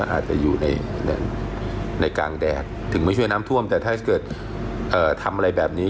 อาจจะอยู่ในกลางแดดถึงไม่ช่วยน้ำท่วมแต่ถ้าเกิดทำอะไรแบบนี้